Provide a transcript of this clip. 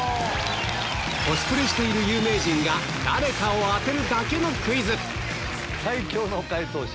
コスプレしている有名人が誰かを当てるだけのクイズ最強の解答者